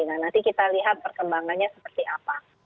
nah nanti kita lihat perkembangannya seperti apa